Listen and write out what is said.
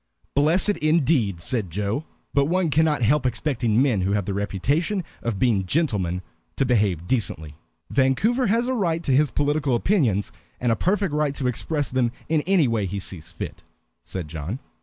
"Blessed indeed," said Joe. "But one cannot help expecting men who have the reputation of being gentlemen to behave decently." "Vancouver has a right to his political opinions, and a perfect right to express them in any way he sees fit," said John.